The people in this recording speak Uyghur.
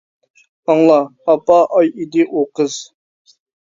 ئاڭلا، ئاپا ئاي ئىدى ئۇ قىز.